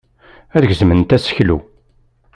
Ad gezment aseklu.